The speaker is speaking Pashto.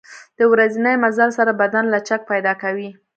د ورځني مزل سره بدن لچک پیدا کوي.